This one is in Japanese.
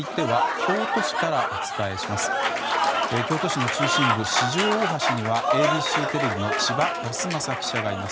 京都市の中心部四条大橋にはＡＢＣテレビの千葉泰真記者がいます。